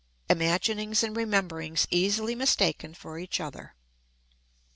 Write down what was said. Imaginings and Rememberings easily mistaken for each other.